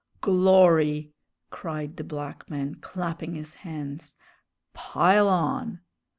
"Glory!" cried the black man, clapping his hands; "pile on!"